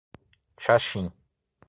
Xaxim